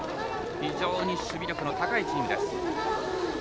非常に守備力の高いチームです。